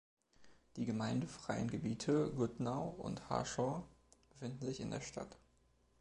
Die gemeindefreien Gebiete Goodnow und Harshaw befinden sich in der Stadt.